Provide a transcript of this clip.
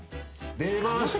出ました